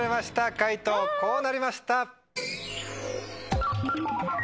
解答こうなりました。